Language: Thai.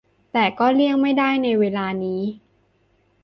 แต่ก็เลี่ยงไม่ได้ในเวลานี้